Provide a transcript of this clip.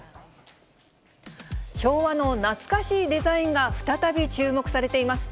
昭和の懐かしいデザインが、再び注目されています。